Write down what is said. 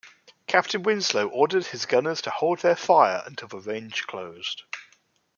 Captain Winslow ordered his gunners to hold their fire until the range closed.